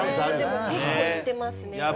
でも結構いってますね。